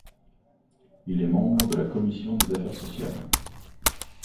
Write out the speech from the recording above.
Il est membre de la commission des Affaires sociales.